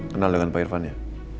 kenal dengan pak irfan ya